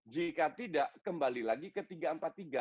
jika tidak kembali lagi ke tiga empat tiga